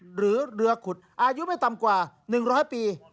หรือเรือขุดอายุไม่ต่ำกว่า๑๐๐ปี